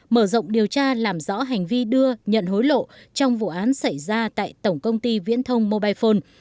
mở rộng điều tra làm rõ hành vi đưa nhận hối lộ trong vụ án xảy ra tại tổng công ty viễn thông mobile phone